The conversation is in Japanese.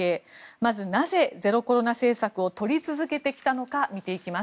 まず、なぜゼロコロナ政策を取り続けてきたのか見ていきます。